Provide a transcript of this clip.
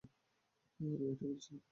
আমি এটাই বলেছিলাম।